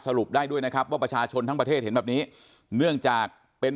ได้ด้วยนะครับว่าประชาชนทั้งประเทศเห็นแบบนี้เนื่องจากเป็น